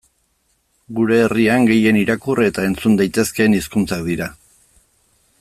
Gure herrian gehien irakur eta entzun daitezkeen hizkuntzak dira.